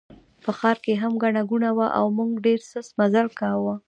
په ښار کې هم ګڼه ګوڼه وه او موږ ډېر سست مزل کاوه.